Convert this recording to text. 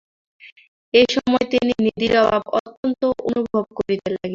এই সময়ে তিনি নিধির অভাব অত্যন্ত অনুভব করিতে লাগিলেন।